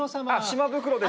島袋です。